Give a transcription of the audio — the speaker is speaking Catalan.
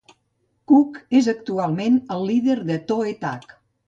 Cook és actualment el líder de Toe Tag.